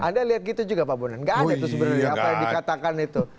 anda lihat gitu juga pak bondan gak ada itu sebenarnya apa yang dikatakan itu